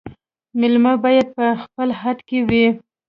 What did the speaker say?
مېلمه باید په خپل حد کي وي